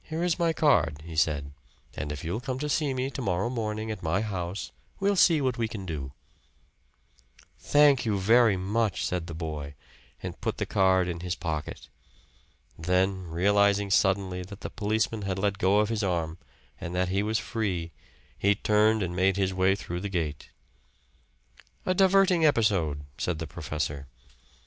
"Here is my card," he said; "and if you'll come to see me to morrow morning at my house, we'll see what we can do." "Thank you very much," said the boy, and put the card in his pocket. Then, realizing suddenly that the policeman had let go of his arm, and that he was free, he turned and made his way through the gate. "A diverting episode," said the professor.